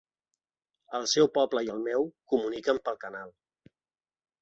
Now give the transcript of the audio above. El seu poble i el meu comuniquen pel canal.